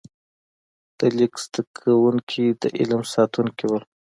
د لیک زده کوونکي د علم ساتونکي وو.